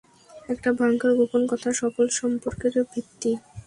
একটা ভয়ংকর গোপন কথা সফল সম্পর্কের ভিত্তি।